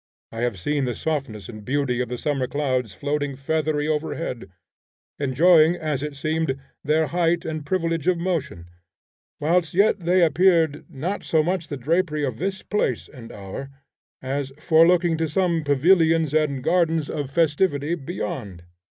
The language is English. I have seen the softness and beauty of the summer clouds floating feathery overhead, enjoying, as it seemed, their height and privilege of motion, whilst yet they appeared not so much the drapery of this place and hour, as forelooking to some pavilions and gardens of festivity beyond.